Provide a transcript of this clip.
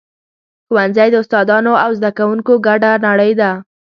ښوونځی د استادانو او زده کوونکو ګډه نړۍ ده.